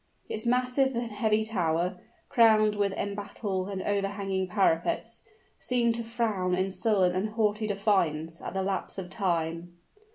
Its massive and heavy tower, crowned with embattled and overhanging parapets, seemed to frown in sullen and haughty defiance at the lapse of Time.